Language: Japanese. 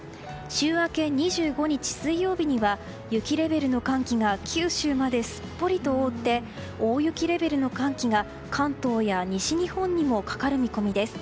週明け２５日水曜日には雪レベルの寒気が九州まですっぽりと覆って大雪レベルの寒気が関東や西日本にもかかる見込みです。